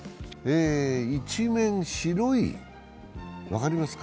一面白い、分かりますか？